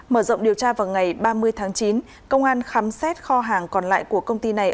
mở rộng điều tra vào ngày ba mươi tháng chín công an khám xét kho hàng còn lại của công ty này